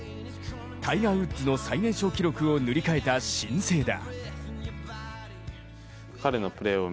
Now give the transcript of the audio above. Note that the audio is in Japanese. タイガー・ウッズの最年少記録を塗り替えた新星だ。